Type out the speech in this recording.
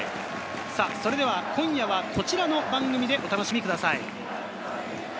今夜はこちらの番組でお楽しみください。